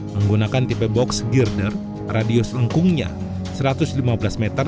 menggunakan tipe box girder radius lengkungnya satu ratus lima belas meter